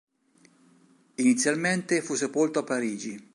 Inizialmente fu sepolto a Parigi.